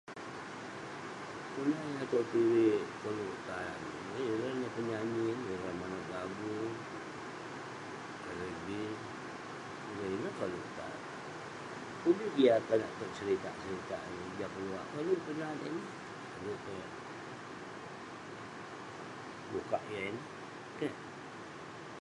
Kelunan eh tong tv koluk tan amik ; ireh neh penyanyi ineh, ireh manouk lagu [unintelligible] Ireh ineh koluk tan. Pun bi kek yah konak tog seritak seritak jah keluak, koluk peh nat ineh, koluk peh bukak yah ineh. Keh.